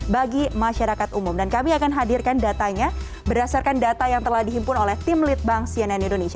bagi masyarakat umum dan kami akan hadirkan datanya berdasarkan data yang telah dihimpun oleh tim litbang cnn indonesia